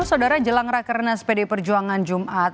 saudara jelang rakernas pdi perjuangan jumat